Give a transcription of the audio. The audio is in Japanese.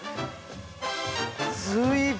すごい！